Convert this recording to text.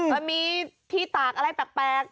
มันมีที่ตากอะไรแปลก